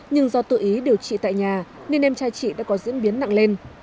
nhưng do tự ý điều trị tại nhà nên em trai chị đã có diễn biến nặng lên